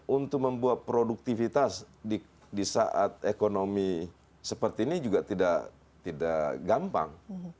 untuk membuat produktivitas di saat ekonomi seperti ini juga tidak gampang